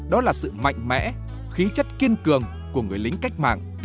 đó là sự mạnh mẽ khí chất kiên cường của người lính cách mạng